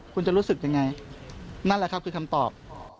คุณจะรู้สึกยังไงนั่นแหละครับคือคำตอบ